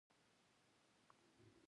ارزانه بیه د سیالۍ برخه ده.